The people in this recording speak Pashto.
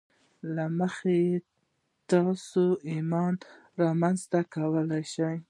له مخې یې تاسې ایمان رامنځته کولای شئ